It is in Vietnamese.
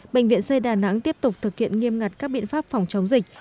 bệnh viện c đà nẵng tiếp tục thực hiện nghiêm ngặt các biện pháp phòng chống dịch